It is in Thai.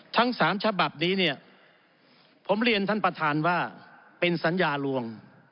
ทั้ง๓ฉบับนี้เนี่ยผมเรียนท่านประธานว่าเป็นสัญญาลวง